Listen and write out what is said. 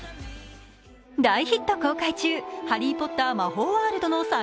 大ヒット公開中、ハリー・ポッター魔法ワールドの最